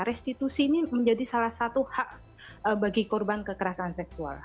restitusi ini menjadi salah satu hak bagi korban kekerasan seksual